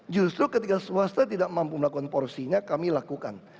justru ketika swasta tidak mampu melakukan porsinya kami lakukan